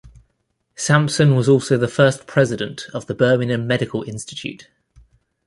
Sampson was also the first president of the Birmingham Medical Institute.